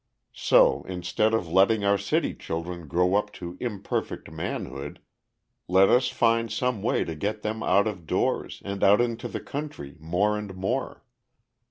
So instead of letting our city children grow up to imperfect manhood, let us find some way to get them out of doors and out into the country more and more.